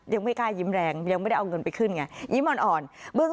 ยังไม่กล้ายิ้มแรงยังไม่ได้เอาเงินไปขึ้นไงยิ้มอ่อนเบื้อง